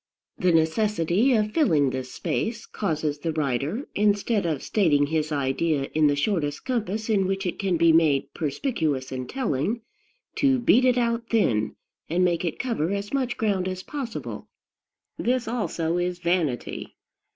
The necessity of filling this space causes the writer, instead of stating his idea in the shortest compass in which it can be made perspicuous and telling, to beat it out thin, and make it cover as much ground as possible. This, also, is vanity.